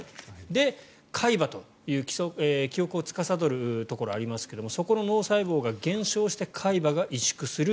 で、海馬という、記憶をつかさどるところがありますがそこの脳細胞が減少して海馬が萎縮する。